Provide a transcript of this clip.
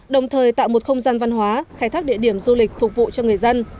đồng thời tạo một không gian văn hóa khai thác địa điểm du lịch phục vụ cho người dân